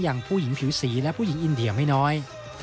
อย่างผู้หญิงผิวสีและผู้หญิงอินเดียไม่น้อย